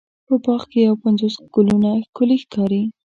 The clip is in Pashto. په باغ کې یو پنځوس ګلونه ښکلې ښکاري.